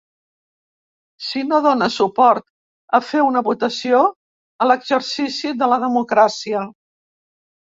Si no dóna suport a fer una votació, a l’exercici de la democràcia.